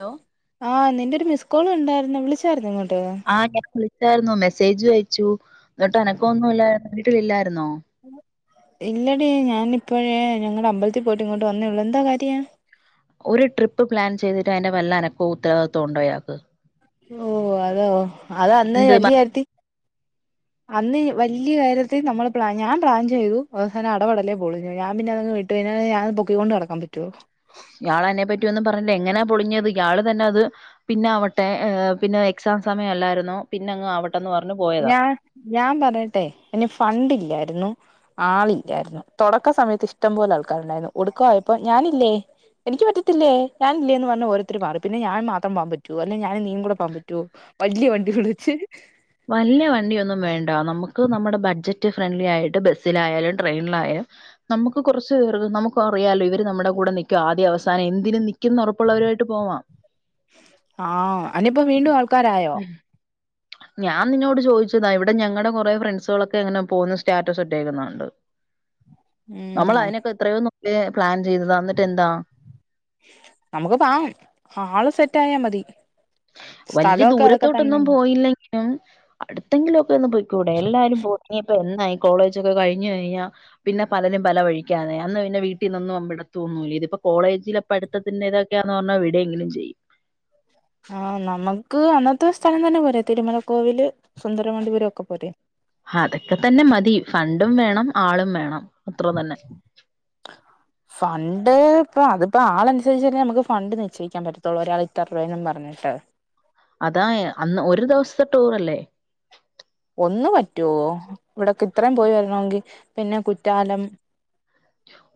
Law ആഹ് നിന്റെ ഒരു മിസ് കോൾ കണ്ടായിരുന്നു. വിളിച്ചായിരുന്നോ ഇങ്ങോട്ട്? ആഹ് ഞാൻ വിളിച്ചായിരുന്നു മെസ്സേജു അയച്ചു. ന്നട്ട് അനക്കൊ ഒന്നും ഇല്ലായിരുന്ന്. വീട്ടിലില്ലായിരുന്നോ? ഇല്ലടി ഞാനിപ്പോഴേ ഞങ്ങടെ അമ്പലത്തി പോയിട്ട് ഇങ്ങോട്ട് വന്നേയൊള്ളു. എന്താ കാര്യം? ഒരു ട്രിപ്പ് പ്ലാൻ ചെയ്തിട്ട് അതിന്റെ വല്ല അനക്കവും ഉത്തരവാദിത്വോം ഉണ്ടോ ഇയാക്ക്. ഓഹ് അതോ അത് അന്ന് എന്ത് മ വല്യ കാര്യത്തി അന്ന് വല്ലിയ കാര്യത്തി നമ്മള് പ്ലാൻ ഞാൻ പ്ലാൻ ചെയ്തു. അവസാനം അടപടല്ലേ പോളിഞ്ഞു ഞാൻ പിന്നെതങ്ങ് വി ട്ടു കയ്ഞാരെ ഞാൻ അത് പൊക്കി കൊണ്ട് നടക്കാൻ പറ്റോ ഇയാളെന്നെ പറ്റിയൊന്നും പറഞ്ഞില്ല. എങ്ങനെയാ പൊളിഞ്ഞത് ഇയാള് തന്നെ അത് പിന്നാവട്ടെ ഏഹ് പിന്നെ എ ക്സാം സമയം അല്ലായിരുന്നോ പിന്നെ അങ്ങ് ആവെട്ടം ന്ന് പറഞ്ഞു പോ ഞാ ഞാൻ പറയട്ടെ അയ്ന് ഫണ്ടില്ലായിരുന്നു. ആളില്ലായിരുന്നു. തൊടക്ക സമയത്ത് ഇഷ്ടം പോലെ ആൾക്കാരുണ്ടായിരുന്നു ഒടുക്ക ആയപ്പോ ഞാനില്ലേ. എനിക്ക് പറ്റത്തില്ലേ ഞാനില്ലേന്ന് പറഞ്ഞ് ഓരോത്തര് മാറി. പിന്നെ ഞാൻ മാത്രം പോവാൻ പ റ്റൊ അല്ലേ ഞാനും നീയും കൂടെ പോവാൻ പറ്റോ വല്ല്യ വണ്ടി വിളിച്ച്. വല്ല്യ വണ്ടിയൊന്നും വേണ്ട നമുക്ക് നമ്മുടെ ബഡ്ജ റ്റ് ഫ്രണ്ട്ലിയായിട്ട് ബസിലായാലും ട്രെയിനിലായാലും നമുക്ക് കൊറച്ച് ർവ് നമു ഇപ്പ അറിയാലോ ഇവർ നമ്മുടെ കൂടെ നിക്കും ആദ്യ അവസാനും എന്തിനും നിക്കുംന്ന് ഉറപ്പുള്ളവരായിട്ട് പോവാം ആഹ് അയ്നിപ്പോ വീണ്ടും ആൾക്കാരായോ ഞാൻ നിന്നോട് ചോദിച്ചതാ ഇവിടെ ഞങ്ങളുടെ കൊറെ ഫ്രണ്ട്സാളൊക്കെ അങ്ങെനെ പോവുന്നു സ്റ്റാറ്റെസ് ഇട്ടേക്കുന്നു കണ്ടു നമ്മൾ ഉം അയ്നൊക്കെ എത്രയോ ന്നോ ല്ലെ പ്ലാൻ ചെയ്തതാ ന്നിട്ട് എന്താ? നമ്മക്ക് പാങ്ങും ആള് സെറ്റായാ മതി. വല്ല്യ സ്ഥലൊക്കെ അതൊക്കെ ദൂരത്തോട്ടൊന്നും തന്നെയാണ് പോയില്ലെങ്കിലും യാ അടുത്തെങ്കിലും ഒക്കെ ഒന്ന് പോയിക്കൂടെ എല്ലാരും പോവും ഇനിയിപ്പോ എന്ന ഈ കോളേജ് ഒക്കെ കയ്ഞ്ഞു കഴിഞ്ഞാ പിന്നെ പലരും പല വഴിക്കാനെ അന്ന് പിന്നെ വീട്ടിന്നൊന്നും വിടതൊന്നുല്ല ഇതി ഇപ്പൊ കോളേജില് പട്ത്തത്തിന്റെ ഇതൊക്ക്യാന്ന് പർഞാ വിടെങ്കിലും ചെയ്യും. ആഹ് നമക്ക് അന്നത്തെ സ്ഥലം തന്നെ പോരെ തിരുമലക്കോവില് സുന്ദരമണ്ണ്ടിപുരം ഒക്കെ പോരെ? അതൊക്കെ തന്നെ മതി ഫണ്ടും വേണം ആളും വേണം അത്ര തന്നെ. ഫണ്ട് ഇപ്പൊ അതിപ്പോ ആൾ അനുസരിച്ചന്നേ നമുക്ക് ഫണ്ട് നിശ്ചയിക്കാൻ പറ്റതൊള്ളു ഒരാൾ ഇത്ര രൂപെയും പറ്ഞ് പറഞ്ഞിട്ട് അതായ അന്ന് ഒര് ദിവസത്തെ ടൂർ അല്ലേ? ഒന്ന് പറ്റുവോ ഇവിടൊക്കെ ഇത്രയും പോയി വെര്ണോങ്കി പിന്നെ കുറ്റാലം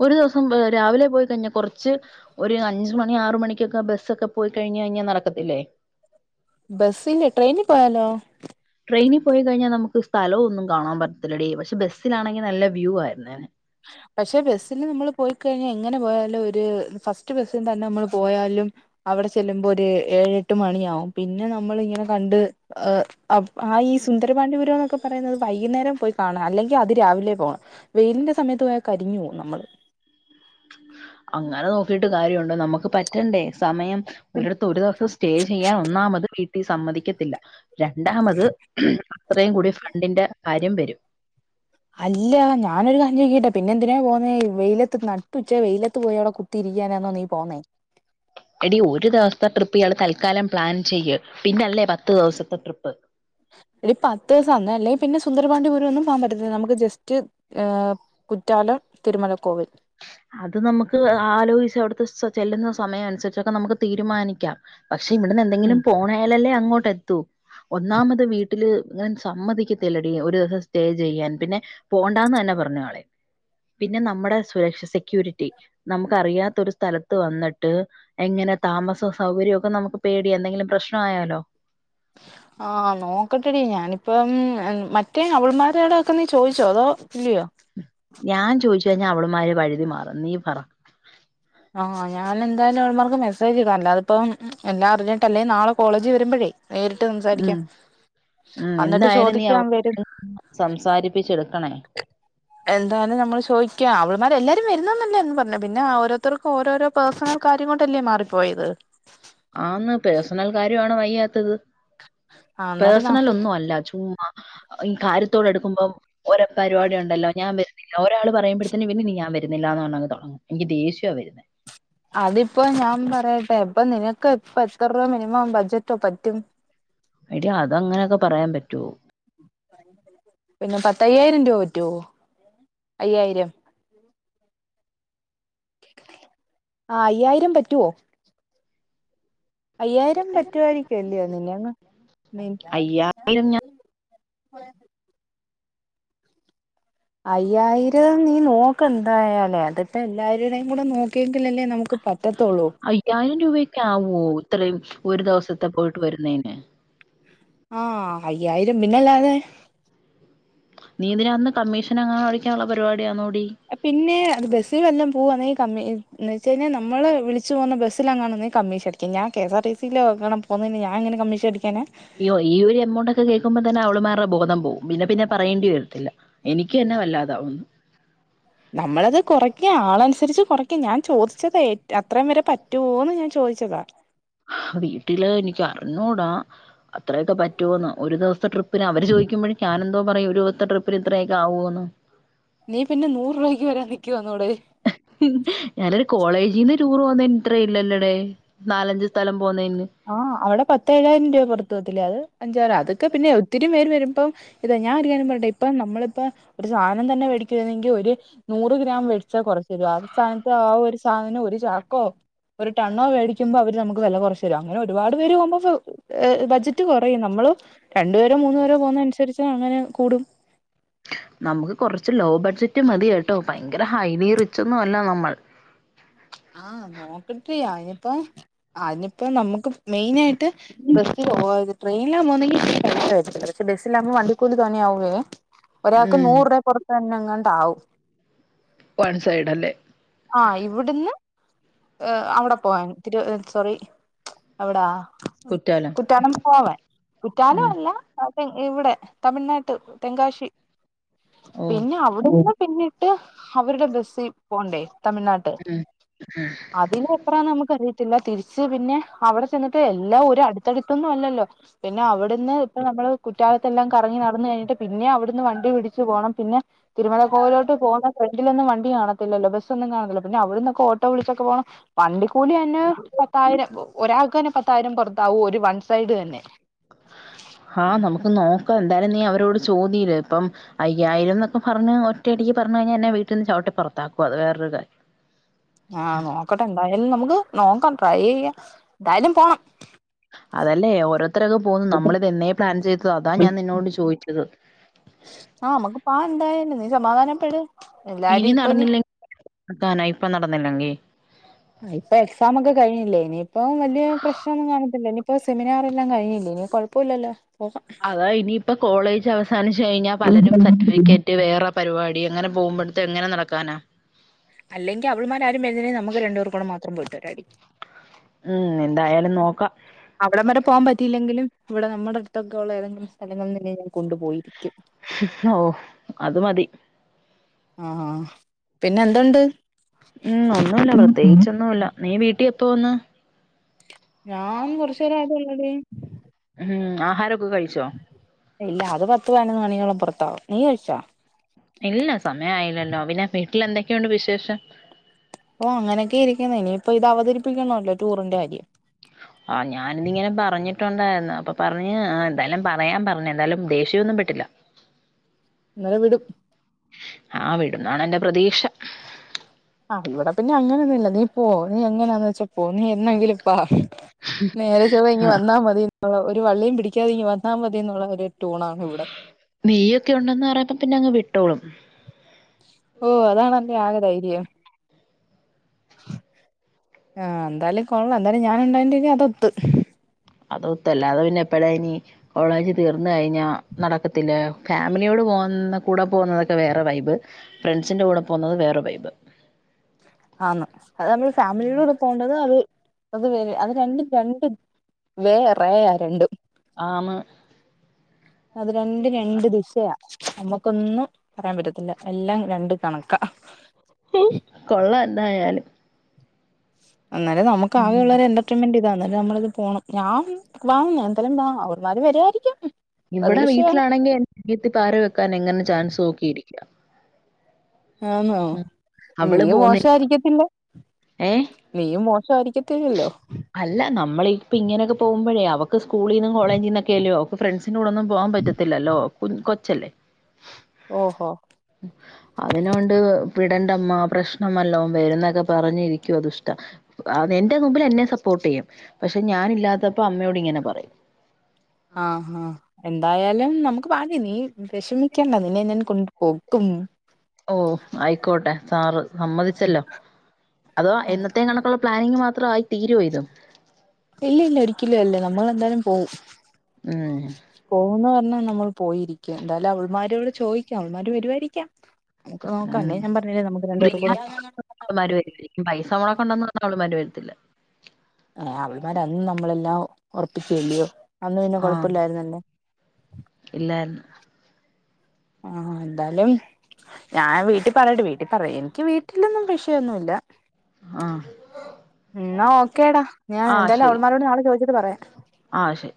ഒര് ദിവസം ഈഹ് രാവിലെ പോയി കഴിഞ്ഞ കൊർച്ച് ഒര് അഞ്ച് മണി ആറ് മണിക്കൊക്കെ ബെസ്സൊക്കെ പോയി കഴ്‌ഞ് കഴിഞ്ഞാ നടക്കത്തില്ലേ? ബെസ്സില് ട്രെയിനി പോയാലോ? ട്രെയിനി പോയി കഴിഞ്ഞാ നമുക്ക് സ്ഥലവും ഒന്നും കാണാൻ പറ്റത്തില്ലേടീ പക്ഷെ ബസിലാണെങ്കിൽ നല്ല വ്യൂ ആയിര്ന്നേനെ. പക്ഷെ ബെസ്സിൽ നമ്മള് പോയിക്കഴിഞ്ഞാൽ എങ്ങനെ പോയാലും ഒരു ഫസ്റ്റ് ബസ്സിൽ തന്നെ നമ്മള് പോയാലും. അവടെ ചെല്ലുമ്പോ ഒര് ഏഴെട്ട് മണിയാവും പിന്നെ നമ്മള് ഇങ്ങെനെ കണ്ട് ഏഹ് ആഹ് ഈ സുന്ദരപാണ്ഡിപുരം എന്നൊക്കെ പറയുന്നത് വൈകുന്നേരം പോയി കാണാം അല്ലെങ്കി അതി രാവിലെ പോകണം വെയിലിന്റെ സമയത്ത് പോയാൽ കരിഞ്ഞു പോവും നമ്മള്. അങ്ങെനെ നോക്കിട്ട് കാര്യോണ്ടൊ നമക്ക് പറ്റണ്ടേ സമയം. ഒരിടെത്ത് ഒരു ദിവസം സ്റ്റേ ചെയ്യാൻ ഒന്നാമത് വീട്ടി സമ്മതിക്കത്തില്ല. രണ്ടാമെത് അത്രേം കൂടിയെ ഫ്രാണ്ടിന്റെ കാര്യം വെരും. അല്ല ഞാനൊരു കാര്യം ചോയ്ക്കട്ടെ പിന്നെ എന്തിനാ പോന്നേ വെയിലത്ത് നട്ടു ഉച്ച വെയിലത്ത് പോയി അവിടെ കുത്തിയിരിക്കാനാന്നോ നീ പോന്നേ. എടി ഒര് ദിവസത്തെ ട്രിപ്പ് ഇയാള് തൽക്കാലം പ്ലാൻ ചെയ്യ് പിന്നല്ലേ പത്ത് ദിവസത്തെ ട്രിപ്പ്. എടീ പത്ത് ദിവസം അന്ന് അല്ലെങ്കിൽ പിന്നെ സുന്ദർപാണ്ടിപൂരം ഒന്നും പോകാൻ പറ്റത്തില്ല നമുക്ക് ജസ്റ്റ് ഏഹ് കുറ്റാലർ, തിരുമലക്കോവിൽ അത് നമ്മക്ക് ആലോചിച്ച് അവിടുത്തെ ചെല്ലുന്ന സമയം അനുസരിച്ചൊക്കെ നമുക്ക് തീരുമാനിക്കാം. പക്ഷെ ഇവിടുന്ന് ഉം എന്തെങ്കിലും പോണാലല്ലേ അങ്ങോട്ട് എത്തു എത്തു ഒന്നാമത് വീട്ടില് ഇങ്ങെനെ സമ്മതിക്കത്തില്ലെടി ഒര് ദിവസം സ്റ്റേ ചെയ്യാൻ പിന്നെ പോണ്ടാന്ന് തന്നെ പറ്ഞ് ആള് പിന്നെ നമ്മടെ സുരഷ സെക്യൂരിറ്റി നമുക്കറിയാത്ത ഒരു സ്ഥലത്ത് വന്ന്ട്ട് എങ്ങെനെ താമസോ സൗകര്യോ ഒക്കെ നമുക്ക് പേടിയ എന്തെങ്കിലും പ്രശ്ന ആയാലോ. ആഹ് നോക്കട്ടെടി ഞാനിപ്പം മറ്റേ അവൾമാരോടൊക്കെ നീ ചോദിച്ചോ അതോ ഇല്ലിയോ? ഞാൻ ചോയ്ച്ചു കഴിഞ്ഞാ അവള്മാര് വഴുതി മാറും നീ പറ. ആഹ് ഞാൻ എന്തായാലും അവൾമാർക്ക് മസ്സേജ്ടാ അല്ലാതിപ്പം എല്ലാ അർഞ്ഞിട്ടല്ലെ നാളെ കോളേജ് വരുമ്പഴേ. നേരിട്ട് ഉം സംസാരിക്കാം. ഉം എന്നിട്ട് എന്തായാലും നീ ചോദിക്കാം വരും അവർക്ക് സംസാരിപ്പിച്ചെടുക്കണേ. എന്തായാലും നമ്മള് ചോയ്ക്ക അവള്മാർ എല്ലാരും വരുന്നെന്നല്ലേന്ന് പറഞ്ഞു പിന്നാരു ത്തർക്കും ഓരോരോ പേഴ്സണെൽ കാര്യം കൊണ്ടല്ലേ മാറിപ്പോയത്. ആന്ന് പേഴ്സണെൽ കാര്യാണ് വയ്യാത്തത്. ആഹ് അന്നേരം ന പേഴ്സസെൽ ഒന്നും അല്ല ചുമ്മ. ഈ കാര്യത്തോടെ എടുക്കുമ്പം ഓരോ പരിപാടി ഒണ്ടല്ലോ ഞാൻ വെര് ഒരാൾ പറയുമ്പോഴത്തേന് പിന്ന ഞാൻ വുന്നില്ലന്ന് പറാ അങ് തുടങ്ങ എനിക്ക് ദേഷ്യ വരുന്നത് അതിപ്പോ ഞാൻ പറയട്ടെ ഇപ്പൊ നിനക്ക് ഇപ്പ എത്ര രൂപ മിനിമം ബഡ്ജറ്റോ പറ്റും എടി അത് അങ്ങനെയൊക്കെ പറയാൻ പറ്റുവോ പിന്നെ പത്തയ്യായിരം രൂപ പറ്റുവോ അയ്യായിരം കേൾക്കുന്നില്ല ആഹ് അയ്യായിരം പറ്റുവോ അയ്യായിരം പറ്റുുവായിരിക്കല്ലയോ നിന്നങ്ങ് [inaudible] അയ്യായിരം ഞാൻ [unintelligible] അയ്യായിരം നീ നോക്ക എന്തായാലേ അതിപ്പോ എല്ലാവരുടെേയും കൂടെ നോക്കിയെങ്കിൽല്ലേ നമുക്ക് പറ്റത്തോളളൂ അയ്യായിരം രൂപക്കെ ആവുമോ ഇത്രയും ഒരു ദിവസത്തെ പോയിട്ട് വരുന്നതിന് ആഹ് അയ്യായിരം പിന്നല്ലാതെ നീ ഇതിനകന്ന് കമ്മീഷൻ അങ്ങനെ പഠിക്കാനുള്ള പരിപാടിയാ നോടി പിന്നെ അത് ബസ്സിൽ വല്ലാം പോവവാെങ്കിൽ ഏയ് പിന്നെ അത് ബസിൽ വല്ലം പോകുവാനേൽ കമ്മീ എന്ന് വെച്ച കഴിഞ്ഞാൽ നമ്മള് വിളിച്ച് പോകുന്ന ബസ്സിലങ്ങണെങ്കിൽ കമ്മീഷൻ അടിക്കും ഞാൻ കേ എസ് ആർ ടി സിൽണ പൊന്നെന്നു ഞാൻ ങ്ങന കമ്മീഷൻ അടിക്കാന യ്യോ ഈ ഒരു അമൗണ്ട് ഒക്കെ കേൾക്കുമ്പോ തന്നെ അവള് ബോധം പോകും പിന്നെ പിന്നെ പറയേണ്ടി വരല്ല എനിക്ക് തന്നെ വല്ലാതാവുന്നു ഉം നമ്മളത് കുറയ്ക്ക ആളനുസരിച്ച് കുറയ്ക്കുക ഞാൻ ചോദിച്ചതാഏ അത്രയും വരെ പറ്റുവോന്ന് ഞാൻ ചോദിച്ചതാ വീട്ടില് എനിക്ക് അറിഞ്ഞൂടാ അത്രയൊക്കെ പറ്റുമോന്ന് ഒരു ദിവസത്തെ ട്രിപ്പ് പിന്നെ അവര് ചോദുമ്പോഴ ഞാനെന്തോ പറയും ഒരുപത്തെ ട്രിപ്പിൽ ഇത്രയൊക്ക ആകുമയന്ന് നീ പിന്നെ നൂറ രൂപയ്ക്ക് വരാൻ നിൽക്കുവന്നടെ ഞാനൊരു കോളേജിൽന്ന് ടൂർ പോന്നന്ട്രല്ലല്ലോടെ നാലഞ്ചച് സ്ഥലം പോന്നതിന് അഹ് അവിടെ പത്തേഴായിരം രൂപ പുറത്തത്ത് വത്തില്ലേ അത് അഞ്ചായിരം അതൊക്കെ പിന്നെ ഒത്തിരി പേര് വരുമ്പം ഇത ഞാൻ ഒരു കാര്യം പറയട്ടെ ഇപ്പം നമ്മളിപ്പോ ഒരു സാധനം തന്നെ മേടിക്കുന്നെങ്കിൽ ഒരു നൂറ് ഗ്രാം വെടിച്ച കൊറച്ചു വരു ആ സ്ഥാനത്ത് ആ ഒരു സാധനം ഒരു ചാക്കോ ഒരു ടണ്ണോ മേടിക്കുന്പം അവ നമുക്ക് വില കുറച്ച അങ്ങനെ ഒരുപാട് പേര് പോകുമ്പോ ബ്ജറ്റ് കുറയും നമ്മള് രണ്ടുപരോ മൂന്നു പേരോ പോകുന്നനുസരിച്ച് അങ്ങനെ കൂടും നമുക്ക് കുറച്ച് ലോ ബഡ്ജറ്റ് മതി കേട്ടോ ഭയങ്കര ഹൈലി റിിച്ചൊന്നുംല്ല നമ്മൾ ആഹ് നോക്കട്ട അതിനിപ്പോ അതിനിപ്പോ നമ്മുക്ക് മെയിന ആയിട്ട് ബസ്സി പോത് ട്രെയിനാകുന്നെങ്കില് പക്ഷെ ബസ്സിലാവുമ്പോൾ വണ്ടിക്കൂലീ തോനേ യാവുകയേ ഒരാൾക്ക് ഉം നൂറ രൂപ പുറത്ത് തന്നെ ഇങ്ങോണ്ടാവും വൺ സൈഡ് അല്ലേ ആഹ് ഇവിടുന്ന് അവിടെ പോവാൻ തിരു സോറി അവിടാ ആഹ് കുറ്റാലം പോവാൻ കുറ്റാലം ഉം അല്ല ആ ഇവിടെ തമിഴ്നാട്ട് തെങ്കാശി ഓ പിന്നെ അവിടെ ന്നു പിന്നിട്ട് അവരുടെ ബസിൽ പോകണ്ടേ തമിഴ്നാട്ട് ഉം അതിന്യൂ അത്രാന്ന് നമുക്ക് അറിയത്തില്ല തിരിച്ച് പിന്നെ അവിടെ ചെന്നിട്ട് എല്ലാം ഒരു അടുത്തടുത്തൊന്നും അല്ലല്ലോ പിന്നെ അവിടുന്ന് ഇപ്പൊ നമ്മള് കുറ്റാലത്തെ എല്ലാം കറങ്ങി നടന്ന കഴിഞ്ഞിട്ട് പിന്നെ അവിടുന്ന് വണ്ടി പിടിച്ചു പോണം പിന്നെ തിരുമല കോയിലോട് പോകുന്ന ഫ്രണ്ടിലൊന്നും വണ്ടി കാണത്തില്ലോ പക്ഷെ ന്നും കാണുന്നില്ല പിന്നെ അവിടന്നൊക്കെ ഓട്ടോ വിളിച്ചൊക്കെ പോകണം പണ്ടിക്കൂലി ഞ്ഞെ പത്തായിരം ഒരാൾക്കന്നെ പത്തായിരം പുറത്താവൂ ഒരു വൺ സൈഡ് തന്നെ ആഹ് നമുക്ക് നോക്കാം എന്തായാലും നീ അവരോട് ചോതിലെ ഇപ്പം അയ്യായിരം ന്നൊക്കെ പറഞ്ഞ ഒറ്റയടിക്ക് പറഞ്ഞു കഴിഞ്ഞാൽ എന്നെ വീട്ടിൽ നിന്ന് ചട്ട പുറത്താക്കും അത് വേറൊര് കാര്യം ആഹ് നോക്കട്ടെ എന്തായാലും നമുക്ക് നോക്കാം ട്രൈ ചെയ്യ എന്തായാലും പോണം അതല്ലേ ഓരോരുത്തങ്ങ് പോകുന്നു നമ്മളിത് എന്നെ പ്ലാൻ ചെയ്തതു അതാ ഞാൻ നിന്നോട് ചോദിച്ചത് ആഹ് നമുക്ക് പാ എന്തായന്ന നീ സമാധാനപ്പെട് ഇനി എല്ലാരും ഇപ്പ നടന്നില്ലെ [unintelligible] കാന ഇപ്പൊ നടന്നില്ലെങ്കി ഇപ്പൊ എക്സാംക്കെ കഴിഞ്ഞില്ലേ ഇനിയിപ്പം വലിയ പ്രശ്നൊന്നും കാണത്തില്ല ഇനി ഇപ്പൊ സെമിനാറെല്ലാം കഴിഞ്ഞില്ലേ ഇനി കുഴപ്പല്ലല്ലോ അതാ ഇനിയിപ്പോ കോളേജ് അവസാനിച്ചു കഴിഞ്ഞാൽ പലരും സർട്ടിഫിക്കറ്റ് വേറെ പരിപാടി എങ്ങനെ പോകുമ്പോഴത്തെ എങ്ങനെ നടക്കാനാ അല്ലെങ്കി അവൾമാരും വരുന്നില്ലങ്കി നമുക്ക് രണ്ടു പേർക്ക് മാത്രം പോയിട്ടു വരാടി ഉം എന്തായാലും നോക്കാ അവിടെം വരെ പോകാൻ പറ്റിയില്ലെങ്കിലും ഇവിടെ നമ്മുടെ അടുത്തൊക്കൊയുള്ള ഏതെങ്കിലും സ്ഥലങ്ങളിൽ തന്നെ ഞാൻ കൊണ്ടു പോയിരിക്കും ഓഹ് അത് മതി ആഹ് പിന്നെന്തുണ്ട്? ഉം ഒന്നുല്ല പ്രത്യേകിച്ചൊന്നുല്ല നീ വീട്ടിൽ എപ്പോ വന്ന് ഞാൻ കൊറച്ചേരം ആയതേ ഉള്ളടി ഉം ആഹാരൊക്കെ കഴിച്ചോ? ഇല്ല അത് പത്ത് പതിനൊന്ന് മണിയോളം പുറത്താവും നീ കഴിച്ച? ഇല്ല സമയയില്ലല്ലോ പിന്നെ വീട്ടിൽ എന്തൊക്കെയുണ്ട് വിശേഷം? ഓഹ് അങ്ങനെക്കെയിരിക്കുന്നു ഇനിയിപ്പൊ ഇത് അവതരിപ്പിക്കണമല്ലോ ടൂറിന്റെ കാര്യം ആഹ് ഞാനിതിങ്ങനെ പറഞ്ഞിട്ടുണ്ടയിരുന്നു അപ്പൊ പറഞ്ഞ് എന്തായാലും പറയാൻ പറഞ്ഞു എന്തായാലും ദേഷ്യന്നും പെട്ടില്ല ഇന്നലെ വിടും ആഹ് വിടും ന്നാണ് ന്റെ പ്രതീക്ഷ ആഹ് ഇവിടെ പിന്നെ അങ്ങനെയൊന്നുല്ല നീ പോ നീ എങ്ങനാന്ന് വെച്ചാ പോ നീ എന്നെങ്കിലും വ നേരെ ചൊവ്വേ ഇങ്ങ് വന്നാ മതി ഒരു വള്ളിയും പിടിക്കാതെ ഇങ്ങ് വന്നാ മതി ന്നുള്ളരു ടൂൺ ആണ് ഇവിടെ നീയ്യൊക്കെ ഉണ്ടെന്ന് പറയുമ്പ പിന്നെ അങ്ങ് വിട്ടോളും ഓഹ് അതാണ് അൻക്ക് ആകെ ദൈര്യം ആഹ് എന്തായാലും കൊള്ളാം എന്തായാലും ഞാൻ ഉണ്ടായതോണ്ട് അതൊത്ത് അതൊത്ത് അല്ലാതെ പിന്നെ എപ്പഴ ഇനി കോളേജ് തീർന്ന് കഴിഞ്ഞ നടക്കത്തില്ല ഫാമിലിയോട് പോന്ന കൂടെ പോകുന്നതൊക്കെ വേറെ വൈബ് ഫ്രണ്ട്സിൻ്റെ കൂടെ പോകുന്നത് വേറെ വൈബ് ആന്ന് അത് നമ്മൾ ഫാമിലിയിലൂടെ പോവേണ്ടത് അത് അത് വര അത് രണ്ടും രണ്ട് വേ റേ യാ രണ്ടും ആന്ന് അത് രണ്ട് രണ്ട് ദിശയാ നമുക്കൊന്നും പറയാൻ പറ്റത്തില്ല എല്ലാം രണ്ട് കണക്ക കൊള്ളാം എന്നായാലും എന്നാലേ നമുക്ക് ആകെയുള്ളൊരു എന്റർ എന്റർട്രയിൻമെന്റ് ഇതാണ് നമ്മളത് പോണം ഞാൻ വാ എന്തായാലും എന്താ അവൾമാര് വരയിരിക്കും ഇവിടെ വീട്ടിലാണെങ്കിൽ അനിയത്തി പാര വെക്കാൻ എങ്ങനെ ചാൻസ് നോക്കിയിരിക്ക. ആന്നോ നീയും മോശമായിരിക്കത്തില്ല ഏഹ് നീയും മോശമായിരിക്കത്തില്ലല്ലോ അല്ല നമ്മള് ഇപ്പ ഇങ്ങനൊക്കെ പോകുമ്പോഴേ അവക്ക് സ്കൂളിൽന്നും കോളേജിൽ നിന്നൊക്കെയല്ലോ ഇപ്പൊ ഫ്രണ്ട്സിന്റെ കൂടെ ഒന്നും പോകാൻ പറ്റത്തില്ലല്ലോ കൊച്ചല്ലേ ഓഹോ അതിനൊണ്ട് വിടണ്ടമ്മ പ്രശ്നമല്ലോ വരുന്നൊക്കെ പറഞ്ഞിരിക്കുവ ദുഷ്ട ആഹ് എന്റെ മുമ്പിൽ എന്നെ സപ്പോർട്ട് ചെയ്യും പക്ഷെ ഞാനില്ലാത്തപ്പോ അമ്മയോട് ഇങ്ങനെ പറയും ആഹ് ആഹാ എന്തായാലും നമുക്ക് പാടി നീ വിഷമിക്കണ്ട നിന്നെ ഞാൻ കൊണ്ട് പോക്കും ഓഹ് ആയിക്കോട്ടെ സാറ് സമ്മതിച്ചല്ലോ അതോ എന്നത്തേയും കണക്കുള്ള പ്ലാനിങ് മാത്രമായി തീരുമോ ഇതും ഇല്ലില്ല ഒരിക്കലും അല്ല നമ്മൾന്തായാലും പോകും ഉം പോകുമെന്ന് പറഞ്ഞാൽ നമ്മൾ പോയിരിക്കും എന്തായാലും അവൾമാരോട് ചോദിക്കാം അവൾമാര് വരുവായിരിക്കാം നമുക്ക് നോക്കാം അല്ലേ ഞാൻ പറഞ്ഞില്ലേ നമക്ക് രണ്ടുപേർ കൂടെ അവളുമാര് വരുവായിരിക്കും പൈസ മുടക്ക് ഉണ്ടെന്ന് പറഞ്ഞാൽ അവളുമാര് വരുത്തില്ല അവൾമാരന്നും നമ്മളെല്ലാം ഉറപ്പിച്ചല് കല്ലിയോ അന്നും പിന്നെ കൊഴപ്പമില്ലായിരുന്നല്ലേ ഇല്ലയിരുന്നു ആഹ് എന്താലും ഞാൻ വീട്ടിൽ പറയട്ടെ വീട്ടിൽ പറയാ എനിക്ക് വീട്ടിലൊന്നും വിഷയമൊന്നുല്ല ആഹ് എന്നാ ഓക്കേടാ ഞാൻ ആഹ് എന്തായാലും ശരി. അവൾമാരോട് നാളെ ചോദിച്ചിട്ട് പറയാം ആഹ് ശരി